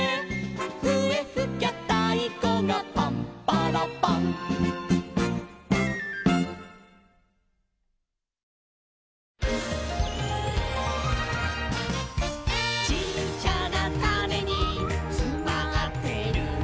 「ふえふきゃたいこがパンパラパン」「ちっちゃなタネにつまってるんだ」